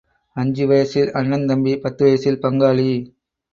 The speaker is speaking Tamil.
அஞ்சு வயசில் அண்ணன் தம்பி பத்து வயசில் பங்காளி.